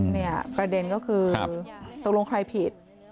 เนี่ยประเด็นก็คือตกลงใครผิด